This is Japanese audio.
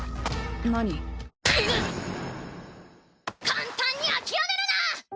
簡単に諦めるな！